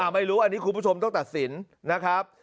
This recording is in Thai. ไม่รู้อันนี้คุณผู้ชมต้องตัดสินนะครับ